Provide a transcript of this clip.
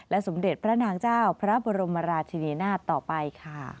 สมเด็จพระนางเจ้าพระบรมราชินีนาฏต่อไปค่ะ